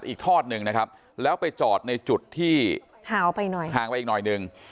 อีกทอดหนึ่งนะครับแล้วไปจอดในจุดที่หาวไปหน่อยห่างไปอีกหน่อยหนึ่ง